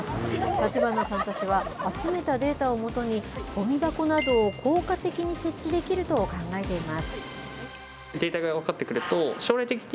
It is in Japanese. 立花さんたちは、集めたデータをもとに、ゴミ箱などを効果的に設置できると考えています。